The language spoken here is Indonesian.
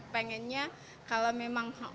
pengennya kalau memang